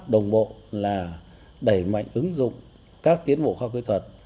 đồng bộ là đẩy mạnh ứng dụng các tiến bộ khoa kỹ thuật